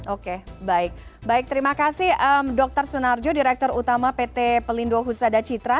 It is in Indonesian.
oke baik baik terima kasih dr sunarjo direktur utama pt pelindo husada citra